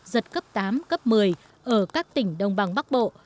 giật cấp tám cấp một mươi ở các tỉnh đông bằng bắc bộ